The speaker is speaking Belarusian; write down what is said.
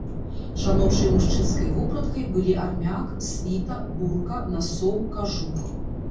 Жаночай і мужчынскай вопраткай былі армяк, світа, бурка, насоў, кажух.